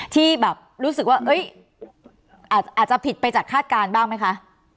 ที่แบบรู้สึกว่าอาจจะผิดไปจากคาดการณ์บ้างไหมคะ